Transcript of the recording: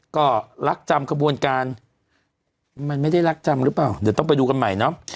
ก็รักจำขบวนการมันไม่ได้รักจำหรือเปล่าเดี๋ยวต้องไปดูกันใหม่เนาะ